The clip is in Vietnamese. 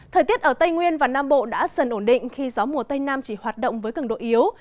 thời tiết ở tây nguyên và nam bộ đã dần ổn định khi gió mùa tây nam chỉ hoạt động với cường độ yếu